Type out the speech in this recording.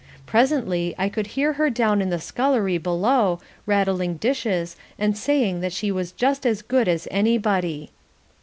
Presently I could hear her down in the scullery below, rattling dishes and saying that she was just as good as anybody.